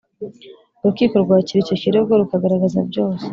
Urukiko rwakira icyo kirego rukagaragaza byose